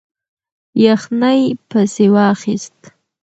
یخنۍ پسې واخیست.